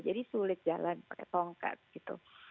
jadi sulit jalan pakai tongkat gitu